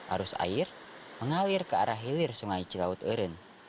arus air mengalir ke arah hilir sungai cilaut urin